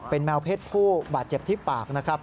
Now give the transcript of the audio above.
เป็นแมวเพศผู้บาดเจ็บที่ปากนะครับ